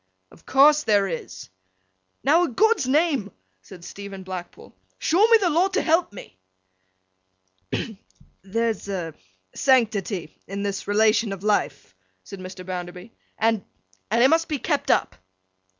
'Of course there is.' 'Now, a' God's name,' said Stephen Blackpool, 'show me the law to help me!' 'Hem! There's a sanctity in this relation of life,' said Mr. Bounderby, 'and—and—it must be kept up.